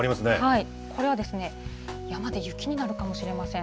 これは、山で雪になるかもしれません。